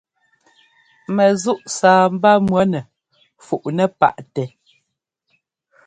Mɛzúʼ sâbá mʉ̈nɛ fuʼnɛ paʼtɛ.